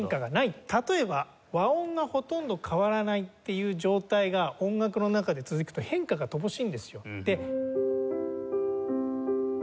例えば和音がほとんど変わらないっていう状態が音楽の中で続くと変化が乏しいんですよ。